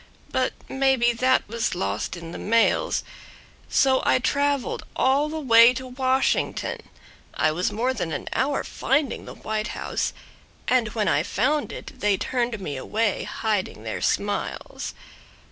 But maybe that was lost in the mails. So I traveled all the way to Washington. I was more than an hour finding the White House. And when I found it they turned me away, Hiding their smiles.